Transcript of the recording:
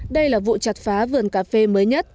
đây là vụ chặt phá vườn cà phê mới nhất